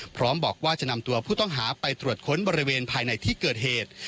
พร้อมบอกว่าจะนำตัวผู้ต้องหาไปตรวจค้นบริเวณภายในที่เกิดเหตุ